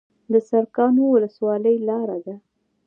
د سرکانو ولسوالۍ لاره ده